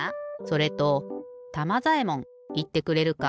それとたまざえもんいってくれるか？